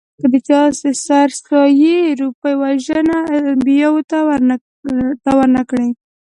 که چا د سرسایې روپۍ ورثه الانبیاوو ته ور نه کړې.